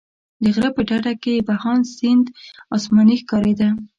د غره په ډډه کې بهاند سیند اسماني ښکارېده.